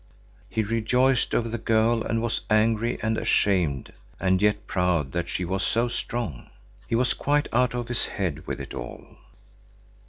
He rejoiced over the girl and was angry and ashamed and yet proud that she was so strong. He was quite out of his head with it all.